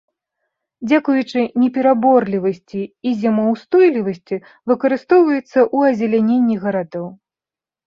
Дзякуючы непераборлівасці і зімаўстойлівасці выкарыстоўваецца ў азеляненні гарадоў.